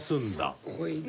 すごいな！